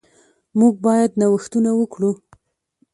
موږ باید نوښتونه وکړو.